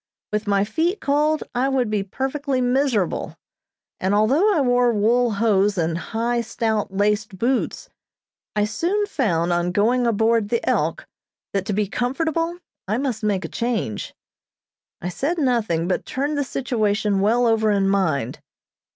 With my feet cold I would be perfectly miserable, and although I wore wool hose and high, stout laced boots, I soon found on going aboard the "Elk" that to be comfortable I must make a change. I said nothing, but turned the situation well over in mind.